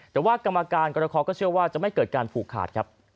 แต่ว่ากรรมการกรคอก็เชื่อว่าจะไม่เกิดการผูกขาดครับ